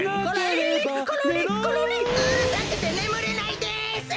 うるさくてねむれないです！